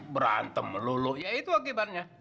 berantem melulu ya itu akibatnya